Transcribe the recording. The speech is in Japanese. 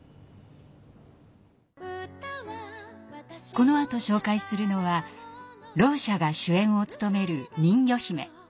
このあと紹介するのはろう者が主演を務める「にんぎょひめ」。